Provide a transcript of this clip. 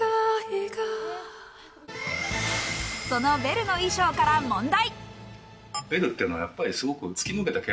そのベルの衣装から問題。